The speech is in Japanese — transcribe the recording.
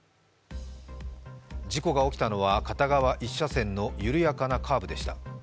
事故が起きたのは片側１車線の緩やかなカーブでした。